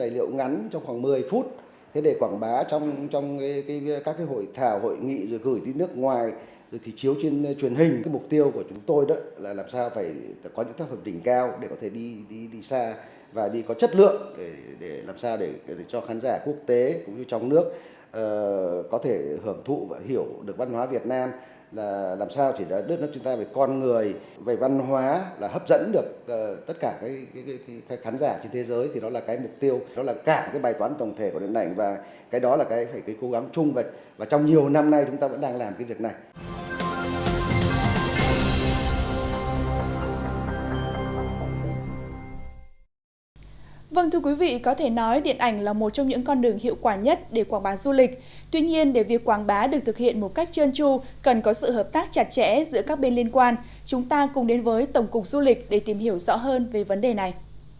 để việc quảng bá được thực hiện một cách chơn chu cần có sự hợp tác chặt chẽ giữa các bên liên quan chúng ta cùng đến với tổng cục du lịch để tìm hiểu rõ hơn về vấn đề này